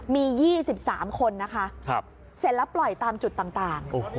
มี๒๓คนนะคะเสร็จแล้วปล่อยตามจุดต่าง